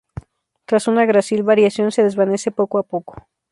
Tras una grácil variación, se desvanece poco a poco.